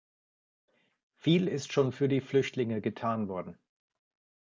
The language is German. Viel ist schon für die Flüchtlinge getan worden.